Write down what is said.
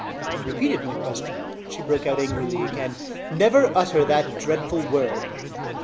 I repeated my question; she broke out angrily again. "Never utter that dreadful word."